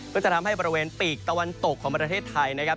ก็จะทำให้บริเวณปีกตะวันตกของประเทศไทยนะครับ